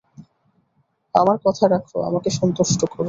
আমার কথা রাখ, আমাকে সন্তুষ্ট কর!